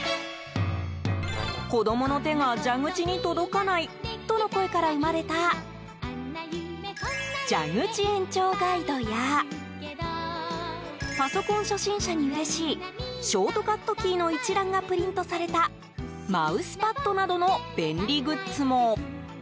子供の手が蛇口に届かないとの声から生まれた蛇口延長ガイドやパソコン初心者にうれしいショートカットキーの一覧がプリントされたマウスパッドなどの便利グッズも。